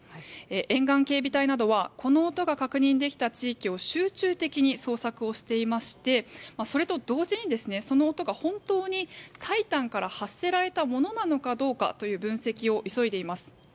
沿岸警備隊などはこの音が確認できた地域を集中的に捜索をしていましてそれと同時にその音が本当に「タイタン」から発せられたものなのかどうかという分析を急いでいます。